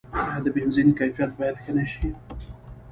آیا د بنزین کیفیت باید ښه نشي؟